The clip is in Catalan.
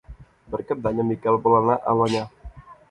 Per Cap d'Any en Miquel vol anar a Albanyà.